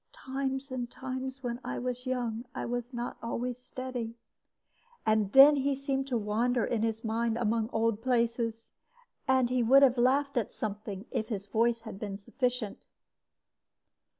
'Times and times, when I was young, I was not always steady;' and then he seemed to wander in his mind among old places; and he would have laughed at something if his voice had been sufficient.